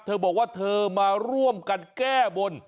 เธอบอกว่าเธอมาร่วมกันแก้บน